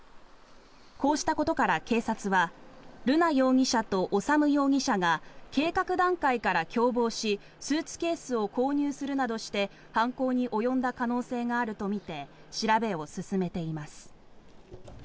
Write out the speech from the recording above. こうしたことから警察は瑠奈容疑者と修容疑者が計画段階から共謀しスーツケースを購入するなどして犯行に及んだ可能性があるとみて調べを進めています。